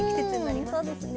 うんそうですね。